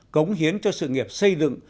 cống hiến cho sự nghiệp xây dựng